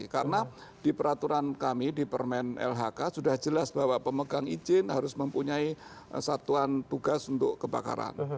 karena di peraturan kami di permen lhk sudah jelas bahwa pemegang izin harus mempunyai satuan tugas untuk kebakaran